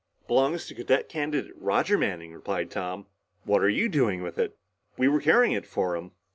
"Belongs to Cadet Candidate Roger Manning," replied Tom. "What are you doing with it?" "We were carrying it for him."